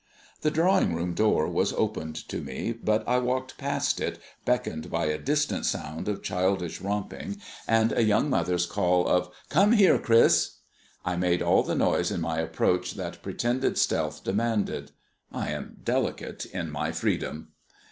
The drawing room door was opened to me, but I walked past it, beckoned by a distant sound of childish romping, and a young mother's call of "Come here, Chris." I made all the noise in my approach that pretended stealth demanded; I am delicate in my freedom.